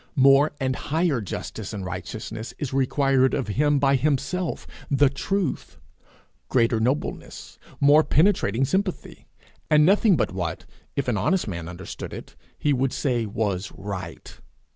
More and higher justice and righteousness is required of him by himself, the Truth; greater nobleness, more penetrating sympathy; and nothing but what, if an honest man understood it, he would say was right.